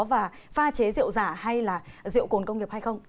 và pha chế rượu giả hay là rượu cồn công nghiệp hay không